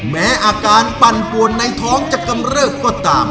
แม้อาการปั่นปวนในท้องจะกำเริบก็ตาม